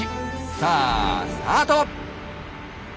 さあスタート！